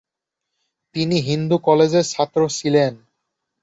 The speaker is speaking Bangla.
তিনি হিন্দু কলেজের ছাত্র ছিলেন।